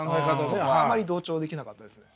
そこはあまり同調できなかったですね。